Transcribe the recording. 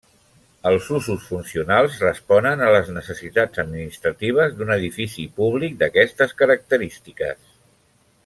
Els usos funcionals responen a les necessitats administratives d'un edifici públic d'aquestes característiques.